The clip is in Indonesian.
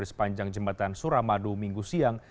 di sepanjang jembatan suramadu minggu siang